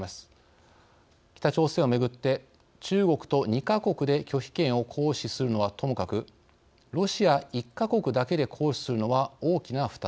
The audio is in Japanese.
北朝鮮を巡って中国と２か国で拒否権を行使するのはともかくロシア１か国だけで行使するのは大きな負担です。